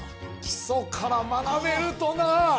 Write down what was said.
基礎から学べるとなあ！